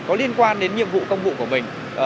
có liên quan đến nhiệm vụ công vụ của mình